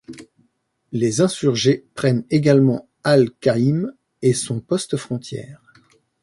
Les insurgés prennent également Al-Qa'im et son poste-frontière.